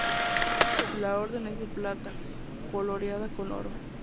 La orden es de plata, coloreada con oro.